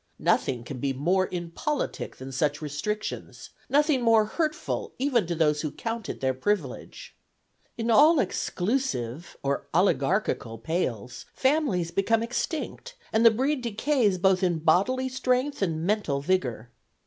Nothing can be more impolitic than such restrictions; nothing more hurtful even to those who count it their privilege. In all exclusive or oligarchical,_pales_, families become extinct, and the breed decays both in bodily strength and mental vigor.